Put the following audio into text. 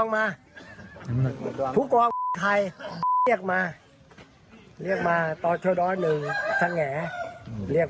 มึงคิดว่าว่าจริงเลย